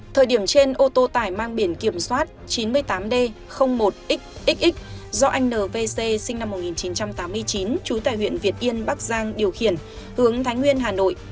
thời điểm trên ô tô tải mang biển kiểm soát chín mươi tám d một xxx do anh nvc sinh năm một nghìn chín trăm tám mươi chín trú tại huyện việt yên bắc giang điều khiển hướng thái nguyên hà nội